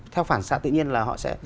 theo phản xác tự nhiên là họ sẽ